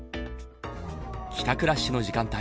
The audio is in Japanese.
帰宅ラッシュの時間帯。